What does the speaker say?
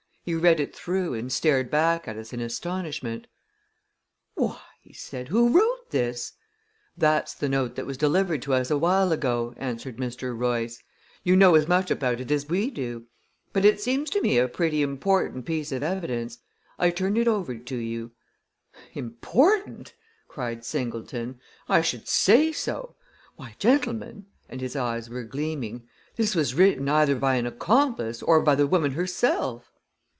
He read it through, and stared back at us in astonishment. "Why," he began, "who wrote this?" "That's the note that was delivered to us a while ago," answered Mr. Royce. "You know as much about it as we do. But it seems to me a pretty important piece of evidence. I turn it over to you." "Important!" cried Singleton. "I should say so! Why, gentlemen," and his eyes were gleaming, "this was written either by an accomplice or by the woman herself!"